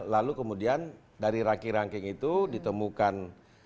lalu kemudian dari ranking ranking itu ditemukan